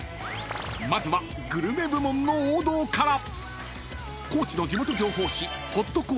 ［まずはグルメ部門の王道から］